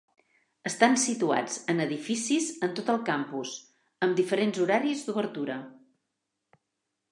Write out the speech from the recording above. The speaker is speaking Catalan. Estan situats en edificis en tot el campus amb diferents horaris d'obertura.